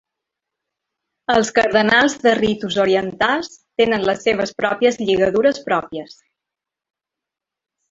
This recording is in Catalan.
Els cardenals de ritus orientals tenen les seves pròpies lligadures pròpies.